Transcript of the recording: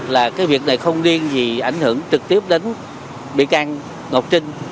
là cái việc này không liên gì ảnh hưởng trực tiếp đến bị can ngọc trinh